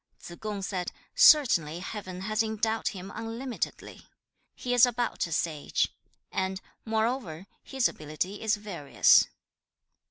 2. Tsze kung said, 'Certainly Heaven has endowed him unlimitedly. He is about a sage. And, moreover, his ability is various.'